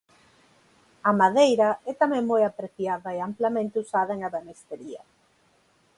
A madeira é tamén moi apreciada e amplamente usada en ebanistería.